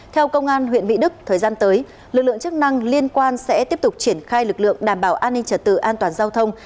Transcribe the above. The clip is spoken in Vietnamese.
theo công an huyện mỹ đức thời gian tới lực lượng chức năng liên quan sẽ tiếp tục triển khai lực lượng đảm bảo an ninh trật tự an toàn giao thông